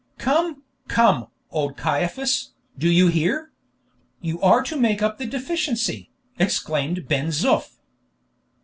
"Come, come, old Caiaphas, do you hear? You are to make up the deficiency," exclaimed Ben Zoof.